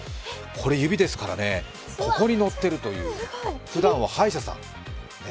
これ指ですからね、ここに乗ってるふだんは歯医者さん。